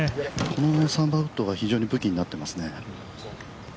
この３番ウッドが非常に武器になってますね。